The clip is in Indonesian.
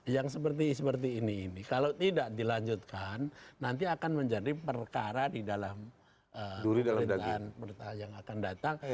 yang seperti seperti ini ini kalau tidak dilanjutkan nanti akan menjadi perkara di dalam perintahan yang akan datang